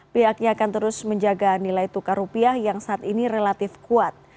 pihaknya akan terus menjaga nilai tukar rupiah yang saat ini relatif kuat